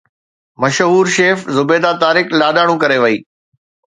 مشهور شيف زبيده طارق لاڏاڻو ڪري وئي